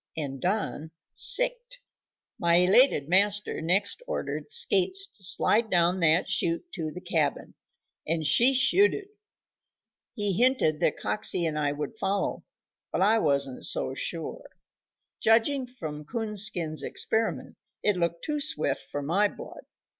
and Don sicked. My elated master next ordered Skates to slide down that chute to the cabin, and she shooted. He hinted that Coxey and I would follow, but I wasn't so sure. Judging from Coonskin's experiment, it looked too swift for my blood.